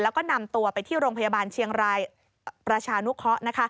แล้วก็นำตัวไปที่โรงพยาบาลเชียงรายประชานุเคราะห์